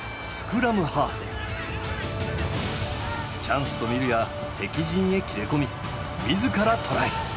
チャンスと見るや敵陣へ切れ込み自らトライ。